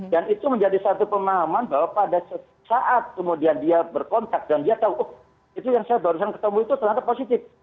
dan itu menjadi satu pemahaman bahwa pada saat kemudian dia berkontak dan dia tahu oh itu yang saya barusan ketemu itu ternyata positif